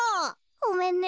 ごめんね。